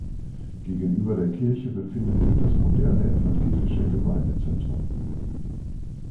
Gegenüber der Kirche befindet sich das moderne evangelische Gemeindezentrum.